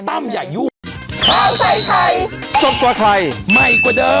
โปรดติดตามตอนต่อไป